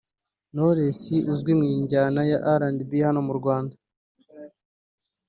Knowless azwi mu njyana ya R’n’B hano mu Rwanda